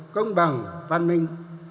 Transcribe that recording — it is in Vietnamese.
công bằng văn minh